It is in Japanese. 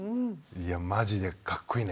いやマジでかっこいいね。